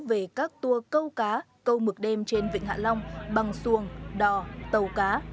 về các tour câu cá câu mực đêm trên vịnh hạ long bằng xuồng đò tàu cá